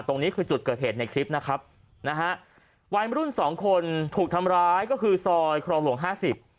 ตรงนี้คือจุดเกิดเหตุในคลิปนะครับนะฮะวัยมรุ่นสองคนถูกทำร้ายก็คือซอยครองหลวงห้าสิบ